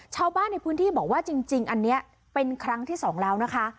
ชาวบ้านในพื้นที่บอกว่าจริงอันนี้เป็นครั้งที่สองแล้วนะคะ